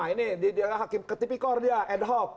ini hakim ke tipikor dia ad hoc